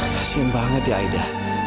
kasian banget ya aida